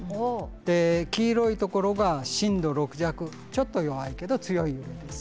で黄色いところが震度６弱ちょっと弱いけど強い揺れです。